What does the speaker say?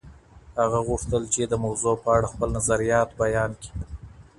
هغه غوښتل چي د موضوع په اړه خپل نظریات بیان کړي.